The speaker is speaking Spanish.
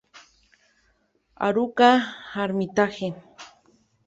Haruka Armitage.